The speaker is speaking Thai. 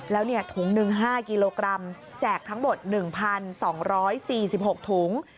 แล้วถุงหนึ่ง๕กิโลกรัมแจกทั้งหมด๑๒๔๖ถุง